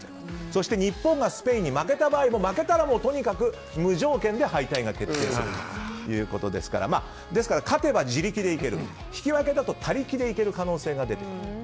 そして日本がスペインに負けた場合も負けたらとにかく無条件で敗退が決定するということですからですから、勝てば自力で行ける引き分けだと他力で行ける可能性が出てくる。